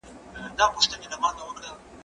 زه به سبا کتابونه لولم وم،